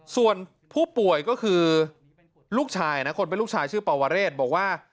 ส่วนผู้ป่วยก็คือลูกชายนะคนเป็นลูกชายชื่อปวเรศบอกว่า